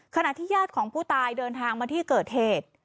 ขณะที่ญาติของผู้ตายเดินทางมาที่เกิดเหตุ